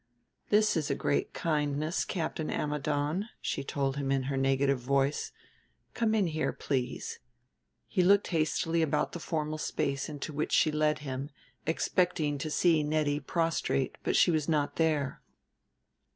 "This is a great kindness, Captain Ammidon," she told him in her negative voice; "come in here, please." He looked hastily about the formal space into which she led him, expecting to see Nettie prostrate, but she was not there.